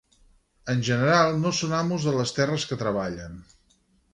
En general no són amos de les terres que treballen.